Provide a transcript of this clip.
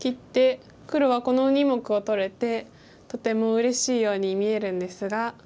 黒はこの２目を取れてとてもうれしいように見えるんですが。